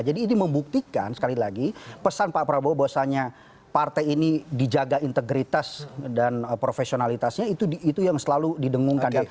jadi ini membuktikan sekali lagi pesan pak prabowo bahwasannya partai ini dijaga integritas dan profesionalitasnya itu yang selalu didengungkan